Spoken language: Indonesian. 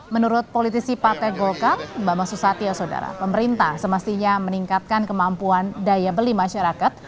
menurut politisi partai golkar bambang susatyo sodara pemerintah semestinya meningkatkan kemampuan daya beli masyarakat